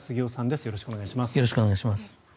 よろしくお願いします。